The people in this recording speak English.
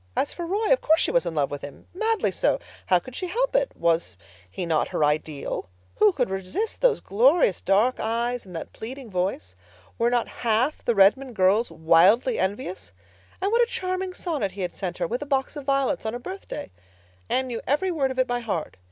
As for Roy, of course she was in love with him—madly so. How could she help it? Was he not her ideal? Who could resist those glorious dark eyes, and that pleading voice? Were not half the Redmond girls wildly envious? And what a charming sonnet he had sent her, with a box of violets, on her birthday! Anne knew every word of it by heart.